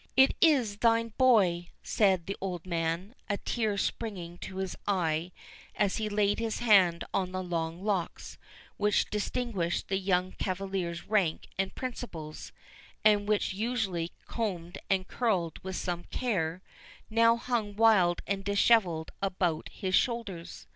"It is thine, my boy," said the old man; a tear springing to his eyes as he laid his hand on the long locks, which distinguished the young cavalier's rank and principles, and which, usually combed and curled with some care, now hung wild and dishevelled about his shoulders.